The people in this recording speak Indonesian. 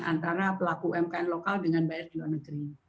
antara pelaku umkm lokal dengan bayar di luar negeri